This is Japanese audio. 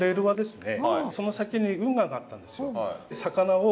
その先に運河があったんですよ。